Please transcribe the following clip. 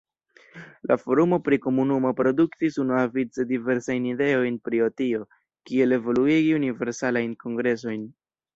La forumo pri komunumo produktis unuavice diversajn ideojn prio tio, kiel evoluigi Universalajn Kongresojn.